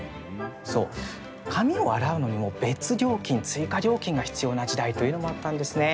そう、髪を洗うのにも別料金追加料金が必要な時代というのもあったんですね。